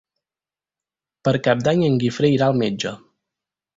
Per Cap d'Any en Guifré irà al metge.